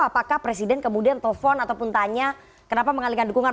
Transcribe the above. apakah presiden kemudian telepon ataupun tanya kenapa mengalihkan dukungan